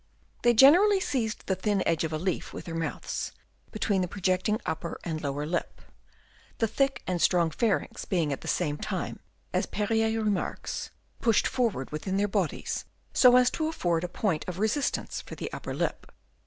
They generally seized the thin edge of a leaf with their mouths, between the projecting upper and lower lip ; the thick and strong pharynx being at the same time, as Perrier remarks, pushed forward within their bodies, so as to afford a point of resistance for the upper lip.